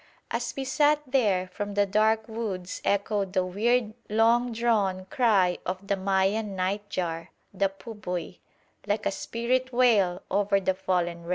As we sat there, from the dark woods echoed the weird long drawn cry of the Mayan night jar the pubuy like a spirit wail over the fallen race.